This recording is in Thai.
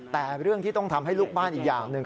แต่เรื่องที่ต้องทำให้ลูกบ้านอีกอย่างหนึ่ง